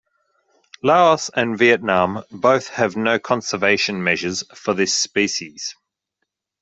Laos and Vietnam both have no conservation measures for this species.